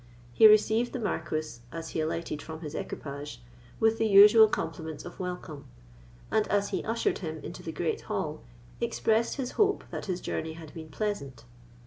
He received the Marquis, as he alighted from his equipage, with the usual compliments of welcome; and, as he ushered him into the great hall, expressed his hope that his journey had been pleasant.